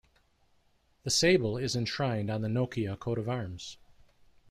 The sable is enshrined on the Nokia coat of arms.